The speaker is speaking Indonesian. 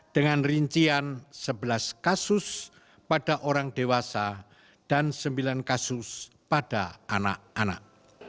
dengan rincian sebelas kasus pada orang dewasa dan sembilan kasus pada anak anak